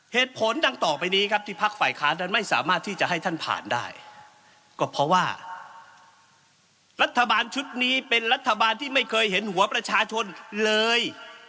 เหตุผลดังต่อไปนี้ครับที่พักฝ่ายค้านนั้นไม่สามารถที่จะให้ท่านผ่านได้ก็เพราะว่ารัฐบาลชุดนี้เป็นรัฐบาลที่ไม่เคยเห็นหัวประชาชนเลย